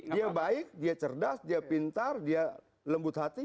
dia baik dia cerdas dia pintar dia lembut hati